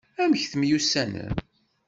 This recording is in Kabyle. Amek temyussanem?